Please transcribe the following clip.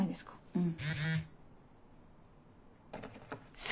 うん。